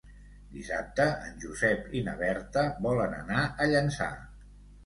Dissabte en Josep i na Berta volen anar a Llançà.